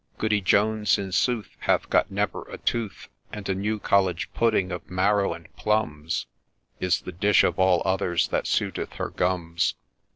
Goody Jones, in sooth, hath got never a tooth, And a New College pudding of marrow and plums Is the dish of all others that suiteth her gums.